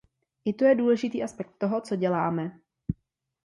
I to je důležitý aspekt toho, co děláme.